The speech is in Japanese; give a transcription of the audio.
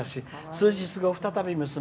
数日後、再び、娘。